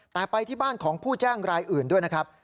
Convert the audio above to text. แต่ไปที่บ้านของผู้แจ้งรายอื่นด้วยนะครับ